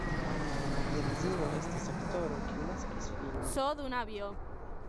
Lia edzino estis aktoro, kiu naskis filojn.